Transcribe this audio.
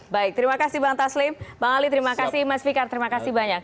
baik terima kasih bang taslim bang ali terima kasih mas fikar terima kasih banyak